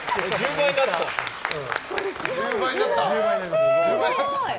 １０倍になった。